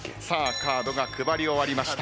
カードが配り終わりました。